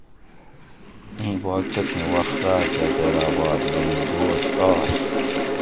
اِیں باگ تتھیں وخت راکہ غیر آباد یعنی گوش آش